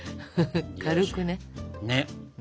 軽くね。